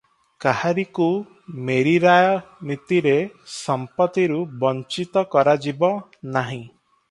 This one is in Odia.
କାହାରିକୁ ମେରୀରାୟ ନୀତିରେ ସମ୍ପତ୍ତିରୁ ବଞ୍ଚିତ କରାଯିବ ନାହିଁ ।